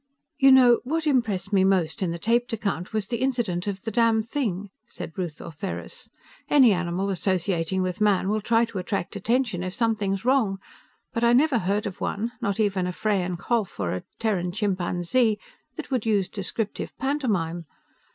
"You know, what impressed me most in the taped account was the incident of the damnthing," said Ruth Ortheris. "Any animal associating with man will try to attract attention if something's wrong, but I never heard of one, not even a Freyan kholph or a Terran chimpanzee, that would use descriptive pantomime.